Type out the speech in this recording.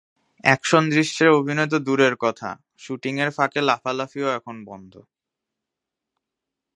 Action দৃশ্যে অভিনয় তো দূরের কথা, শুটিংয়ের ফাঁকে লাফালাফিও এখন বন্ধ।